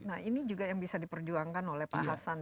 nah ini juga yang bisa diperjuangkan oleh pak hasan